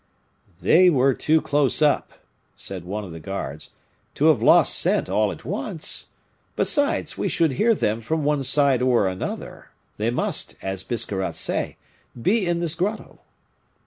"They were too close up," said one of the guards, "to have lost scent all at once. Besides, we should hear them from one side or another. They must, as Biscarrat says, be in this grotto."